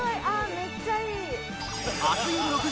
めっちゃいい！